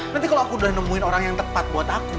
nanti kalau aku udah nemuin orang yang tepat buat aku